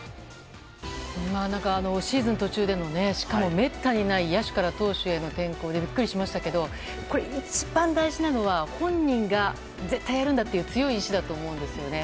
シーズン途中でのしかも、めったにない野手から投手への転向でビックリしましたけど一番大事なのは本人が絶対にやるんだという強い意思だと思うんですよね。